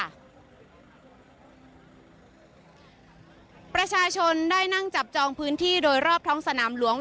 ประชาชนได้นั่งจับจองพื้นที่โดยรอบท้องสนามหลวง